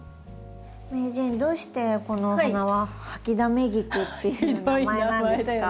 名人どうしてこのお花はハキダメギクっていう名前なんですか？